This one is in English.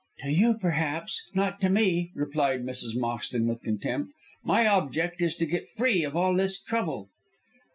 "To you, perhaps, not to me," replied Mrs. Moxton, with contempt. "My object is to get free of all this trouble."